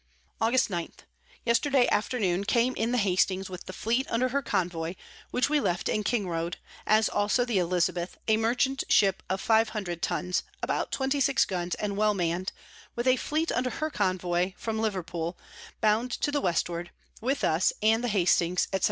Aug. 9. Yesterday Afternoon came in the Hastings with the Fleet under her Convoy, which we left in Kingroad: as also the Elizabeth, a Merchant Ship of 500 Tuns, about 26 Guns, and well mann'd, with a Fleet under her Convoy from Leverpool, bound to the Westward, with us and the Hastings, &c.